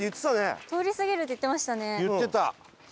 言ってた！